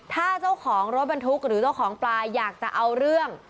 ถ้าเจ้าของรถบรรทุกหรือเจ้าของปลาอยากจะเอาเรื่อง